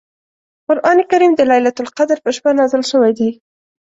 قران کریم د لیلة القدر په شپه نازل شوی دی .